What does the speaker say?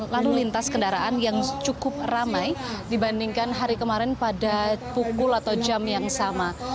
lalu lintas kendaraan yang cukup ramai dibandingkan hari kemarin pada pukul atau jam yang sama